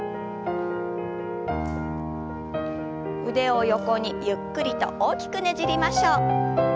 腕を横にゆっくりと大きくねじりましょう。